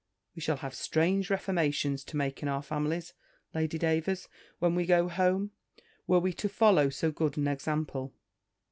We shall have strange reformations to make in our families, Lady Davers, when we go home, were we to follow so good an example.